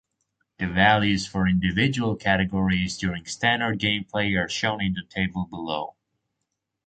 The values for individual categories during standard gameplay are shown in the table below.